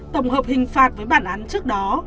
tổng hợp hình phạt với bản án trước đó